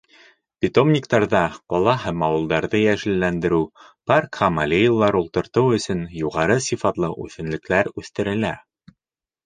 Питомниктарҙа ҡала һәм ауылдарҙы йәшелләндереү, парк һәм аллеялар ултыртыу өсөн юғары сифатлы үҫентеләр үҫтерелә.